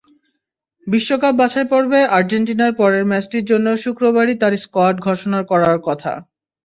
বিশ্বকাপ বাছাইপর্বে আর্জেন্টিনার পরের ম্যাচটির জন্য শুক্রবারই তাঁর স্কোয়াড ঘোষণা করার কথা।